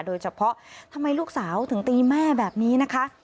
โดยเฉพาะทำไมลูกสาวถึงตีแม่แบบนี้นะคะ